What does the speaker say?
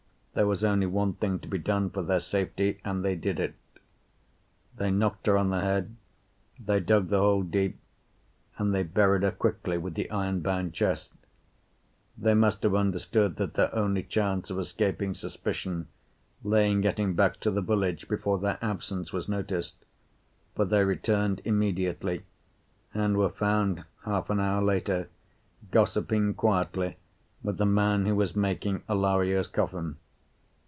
There was only one thing to be done for their safety, and they did it. They knocked her on the head, they dug the hole deep, and they buried her quickly with the iron bound chest. They must have understood that their only chance of escaping suspicion lay in getting back to the village before their absence was noticed, for they returned immediately, and were found half an hour later gossiping quietly with the man who was making Alario's coffin.